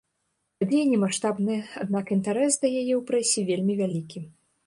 Падзея не маштабная, аднак інтарэс да яе ў прэсе вельмі вялікі.